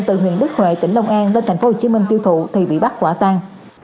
từ huyện đức huệ tỉnh đông an lên tp hcm tiêu thụ thì bị bắt quả tan